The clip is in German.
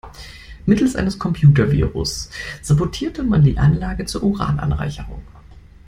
Mittels eines Computervirus sabotierte man die Anlage zur Urananreicherung.